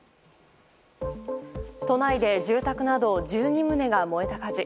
都内で住宅など１２棟が燃えた火事。